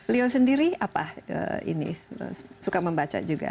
leo sendiri apa ini suka membaca juga